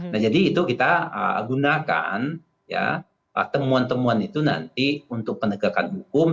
nah jadi itu kita gunakan ya temuan temuan itu nanti untuk penegakan hukum